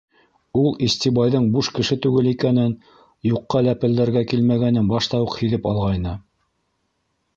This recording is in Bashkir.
Ул Истебайҙың буш кеше түгел икәнен, юҡҡа ләпелдәргә килмәгәнен башта уҡ һиҙеп алғайны.